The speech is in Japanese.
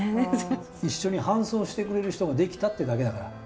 一緒に伴走してくれる人ができたってだけだから。